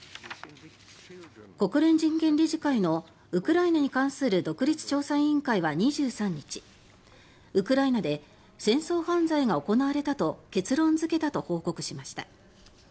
国連人権理事会のウクライナに関する独立調査委員会は２３日ウクライナで戦争犯罪が行われたと結論付けたと報告しました。